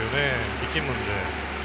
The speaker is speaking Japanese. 力むので。